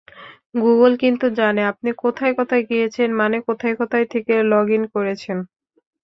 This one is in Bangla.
গুগল কিন্তু জানে আপনি কোথায় কোথায় গিয়েছেন, মানে কোথায় কোথায় থেকে লগ–ইন করেছেন।